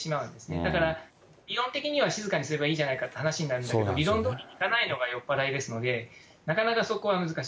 だから、理論的には静かにすればいいんじゃないかという話になるんですけれども、理論どおりにいかないのが酔っ払いですので、なかなかそこは難しい。